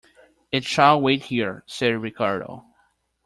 "It shall wait here," said Ricardo.